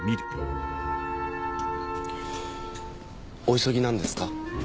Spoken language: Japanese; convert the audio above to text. お急ぎなんですか？